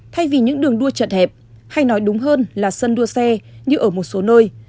thay vì những đường đua chật hẹp hay nói đúng hơn là sân đua xe như ở một số nơi